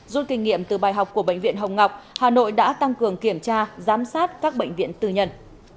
rút kinh nghiệm từ bài học của bệnh viện hồng ngọc hà nội đã tăng cường kiểm tra giám sát các bệnh viện tư nhân